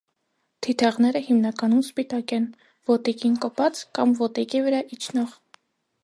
Թիթեղները հիմնականում սպիտակ են՝ ոտիկին կպած կամ ոտիկի վրա իջնող։